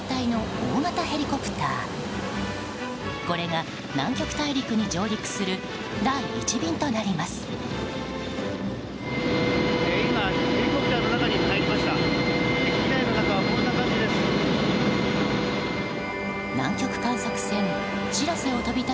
今、ヘリコプターの中に入りました。